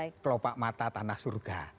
kelopak mata tanah surga